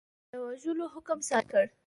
د وژلو حکم صادر کړي.